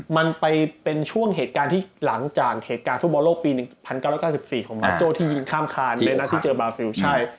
มันไปเป็นช่วงเหตุการณ์ที่หลังจากเหตุการณ์ฟุตบอลโลกปี๑๙๙๔ของมาโจ้ที่ยิงข้ามคานในนัดที่เจอบาซิลใช่